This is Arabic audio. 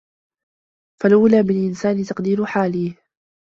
فَالْأَوْلَى بِالْإِنْسَانِ تَقْدِيرُ حَالَيْهِ